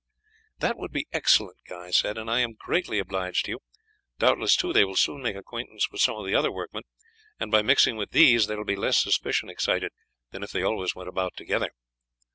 "That would be excellent," Guy said, "and I am greatly obliged to you. Doubtless, too, they will soon make acquaintance with some of the other workmen, and by mixing with these there will be less suspicion excited than if they always went about together."